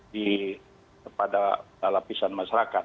di pada lapisan masyarakat